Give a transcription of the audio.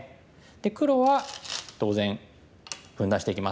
で黒は当然分断していきます。